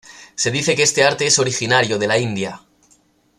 Se dice que este arte es originario de la India.